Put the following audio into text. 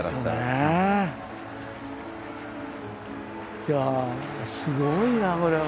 いやあすごいなこれは。